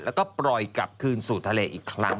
แล้วก็ปล่อยกลับคืนสู่ทะเลอีกครั้ง